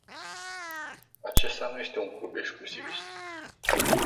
Acesta nu este un club exclusivist.